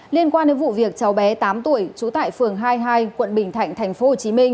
liên quan đến vụ việc cháu bé tám tuổi trú tại phường hai mươi hai quận bình thạnh tp hcm